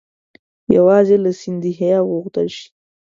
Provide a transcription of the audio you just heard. یوازې له سیندهیا وغوښتل شي.